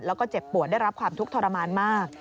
แล้วก็เจ็บปวดได้รับความทุกข์ทรมานมาก